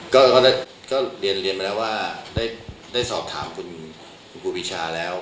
ก็เรียนเลยว่าได้สอบถามคุณภูฟิชาแล้ว